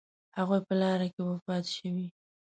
هغوی په لاره کې وفات شوي.